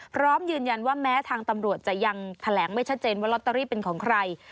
พร้อมยืนยันว่าแม้ทางตำรวจจะยังแถลงไม่ชัดเจนว่าลอตเตอรี่เป็นของใคร